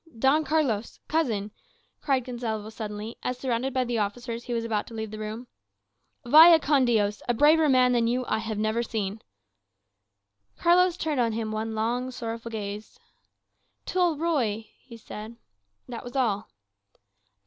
"Don Carlos cousin!" cried Gonsalvo suddenly, as surrounded by the officers he was about to leave the room. "Vaya con Dios! A braver man than you have I never seen." Carlos turned on him one long, sorrowful gaze. "Tell Ruy," he said. That was all.